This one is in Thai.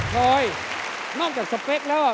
ลอยนอกจากสเปคแล้วอ่ะ